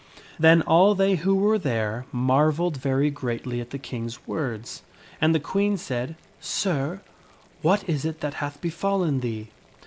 Then all they who were there marvelled very greatly at the King's words. And the Queen said, " Sir, what is it that hath befallen thee?"